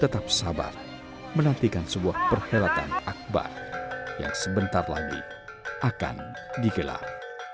tetap sabar menantikan sebuah perhelatan akbar yang sebentar lagi akan digelar